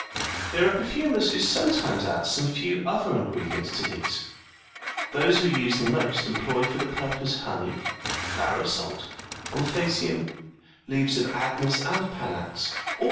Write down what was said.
There are perfumers who sometimes add some few other ingredients to these : those who use the most, employ for the purpose honey, flour of salt, omphacium, leaves of agnus,62 and panax, all of them foreign ingredients.